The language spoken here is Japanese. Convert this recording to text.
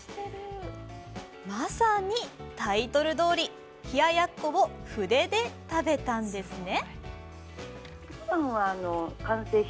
まさにタイトルどおり冷ややっこを筆で食べたんですね。